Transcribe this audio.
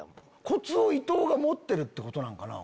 コツを伊東が持ってるってことなんかな？